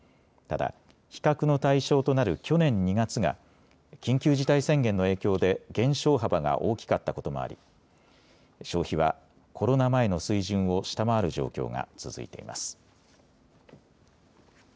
ただ、比較の対象となる去年２月が緊急事態宣言の影響で減少幅が大きかったこともあり消費は、コロナ前の水準を下回る状況が続いています。